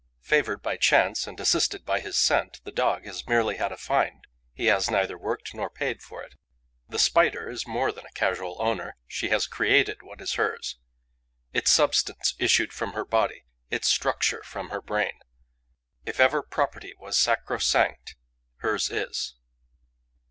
Favoured by chance and assisted by his scent, the Dog has merely had a find; he has neither worked nor paid for it. The Spider is more than a casual owner, she has created what is hers. Its substance issued from her body, its structure from her brain. If ever property was sacrosanct, hers is.